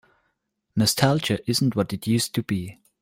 Nostalgia isn't what it used to be.